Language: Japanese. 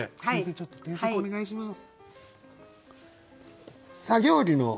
ちょっと添削をお願いします。